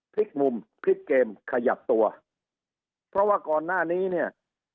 พลิกมุมพลิกเกมขยับตัวเพราะว่าก่อนหน้านี้เนี่ย